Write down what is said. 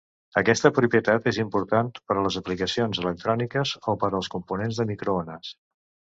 Aquesta propietat és important per a les aplicacions electròniques o per als components per microones.